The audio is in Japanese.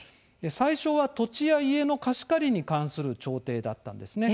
最初は、土地や家の貸し借りに関する調停だったんですね。